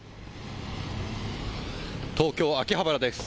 東京秋葉原です。